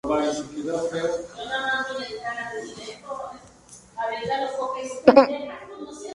La canción fue recibido con críticas positivas de los críticos.